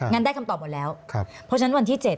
งั้นได้คำตอบหมดแล้วเพราะฉะนั้นวันที่๗